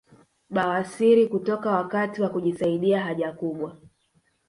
Bawasiri kutoka wakati wa kujisaidia haja kubwa